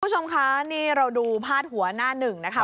คุณผู้ชมคะนี่เราดูพาดหัวหน้าหนึ่งนะคะ